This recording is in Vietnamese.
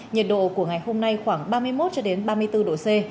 nhiệt độ của ngày hôm nay khoảng ba mươi một ba mươi bốn độ c